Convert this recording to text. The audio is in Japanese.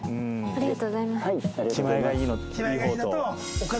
ありがとうございます。